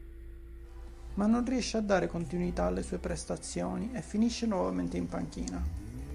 Ma non riesce a dare continuità alle sue prestazioni e finisce nuovamente in panchina.